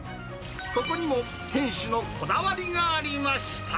ここにも店主のこだわりがありました。